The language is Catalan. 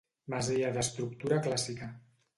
Masia d'estructura clàssica.